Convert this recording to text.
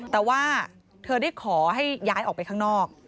แต่ว่าเธอได้ขอให้ย้ายออกไปข้างนอก